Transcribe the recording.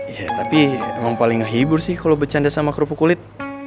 ya tapi emang paling hibur sih kalau bercanda sama kerupuk kulit